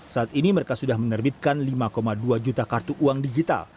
saat ini mereka sudah menerbitkan lima dua juta kartu uang digital